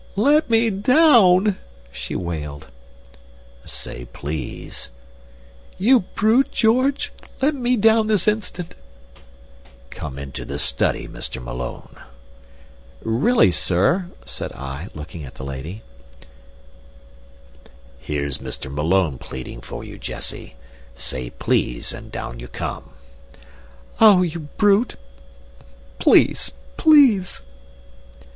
"Let me down!" she wailed. "Say 'please.'" "You brute, George! Let me down this instant!" "Come into the study, Mr. Malone." "Really, sir !" said I, looking at the lady. "Here's Mr. Malone pleading for you, Jessie. Say 'please,' and down you come." "Oh, you brute! Please! please!" He took her down as if she had been a canary.